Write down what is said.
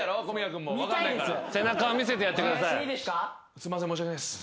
すいません申し訳ないです。